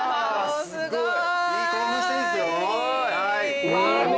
すごい！